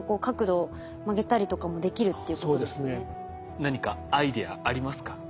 何かアイデアありますか？